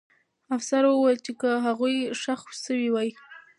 افسر وویل چې که هغوی ښخ سوي وای.